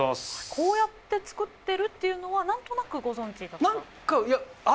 こうやって作ってるっていうのは何となくご存じだった？